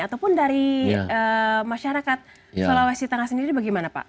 ataupun dari masyarakat sulawesi tengah sendiri bagaimana pak